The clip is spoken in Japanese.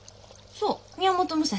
そう宮本武蔵。